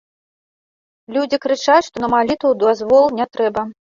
Людзі крычаць, што на малітву дазвол не трэба.